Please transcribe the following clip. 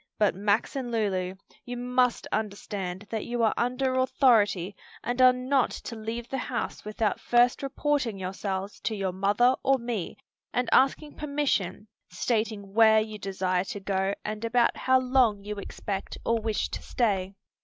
But, Max and Lulu, you must understand that you are under authority and are not to leave the house without first reporting yourselves to your mother or me and asking permission, stating where you desire to go and about how long you expect or wish to stay."